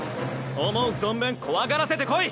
思う存分怖がらせてこい！